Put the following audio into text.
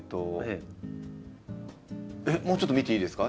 えっもうちょっと見ていいですか？